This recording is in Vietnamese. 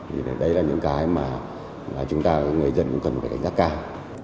thì đây là những cái mà chúng ta người dân cũng cần phải đánh giá cao